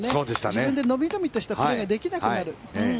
自分で伸び伸びとしたプレーができなくなる。